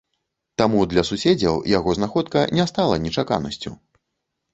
Таму для суседзяў яго знаходка не стала нечаканасцю.